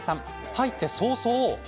入って早々。